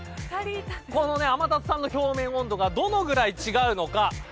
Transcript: この天達さんの表面温度がどのぐらい違うのか。